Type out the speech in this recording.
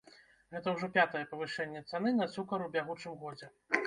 Гэта ўжо пятае павышэнне цаны на цукар у бягучым годзе.